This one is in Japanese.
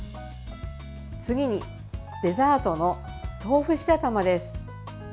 次に、デザートの豆腐白玉です。